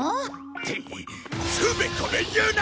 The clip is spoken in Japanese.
つべこべ言うな！